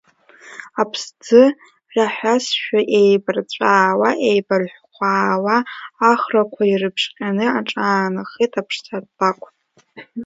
Аԥсӡы раҳәазшәа, еибарҵәаауа, еибархәаауа ахрақәа ирыбжьҟьаны аҿаанахеит аԥшатлакә.